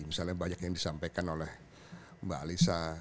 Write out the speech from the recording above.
misalnya banyak yang disampaikan oleh mbak alisa